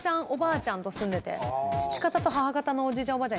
おばあちゃんと住んでて父方と母方のおじいちゃん